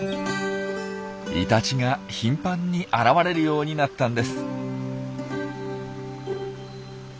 イタチが頻繁に現れるようになったんです。